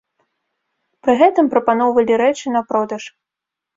Пры гэтым прапаноўвалі рэчы на продаж.